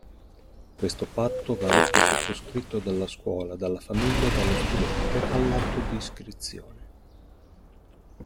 Questo patto va letto e sottoscritto dalla scuola, dalla famiglia, dallo studente all'atto di iscrizione.